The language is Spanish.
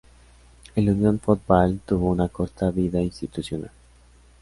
El Unión Foot Ball tuvo una corta vida institucional.